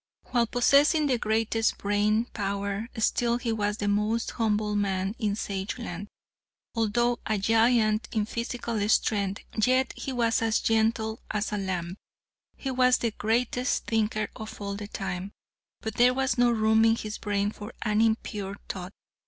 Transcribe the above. While possessing the greatest brain power, still he was the most humble man in Sageland. Although a giant in physical strength, yet he was as gentle as a lamb. He was the greatest thinker of all time, but there was no room in his brain for an impure thought.